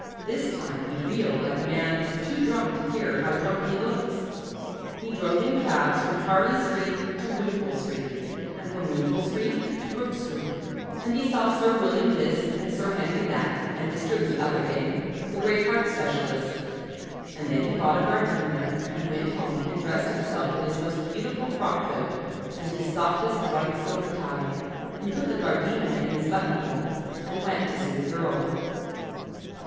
This time he reeled like a man too drunk to care how drunk he looks. He drove in cabs from Harley Street to Wimpole Street, and from Wimpole Street to Brooke Street and he saw Sir William this and Sir Henry that, and Mr. The other thing, the great heart specialist. And then he bought a gardenia, and went home and dressed himself in his most beautiful frock coat and his softest white silk tie, and put the gardenia in his button hole and went to see the Girl.